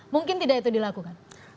mungkin tidak itu dilakukan